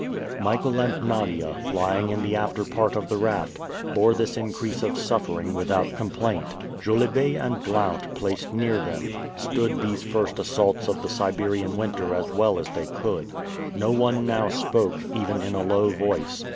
Michael and Nadia, lying in the afterpart of the raft, bore this increase of suffering without complaint. Jolivet and Blount, placed near them, stood these first assaults of the Siberian winter as well as they could. No one now spoke, even in a low voice.